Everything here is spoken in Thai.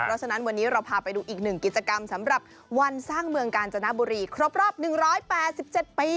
เพราะฉะนั้นวันนี้เราพาไปดูอีกหนึ่งกิจกรรมสำหรับวันสร้างเมืองกาญจนบุรีครบรอบ๑๘๗ปี